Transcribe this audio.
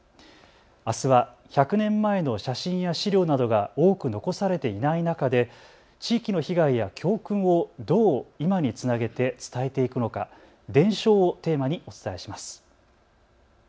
あすは１００年前の写真や資料などが多く残されていない中で地域の被害や教訓をどう今につなげて伝えていくのか伝承をテーマにお伝えします。